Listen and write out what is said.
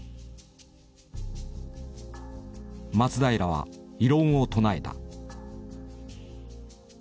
松平は異論を唱えた。